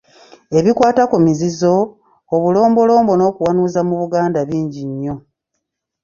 Ebikwata ku mizizo, obulombolombo n'okuwanuuza mu Buganda bingi nnyo.